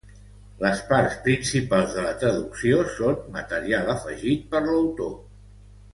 Les parts principals de la traducció són material afegit per l'autor.